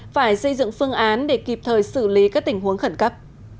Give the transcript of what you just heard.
phải xây dựng phương án để kịp thời xử lý các tình huống khẩn cấp